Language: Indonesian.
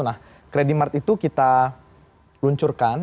nah credit mark itu kita luncurkan